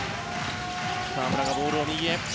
河村がボールを右へ。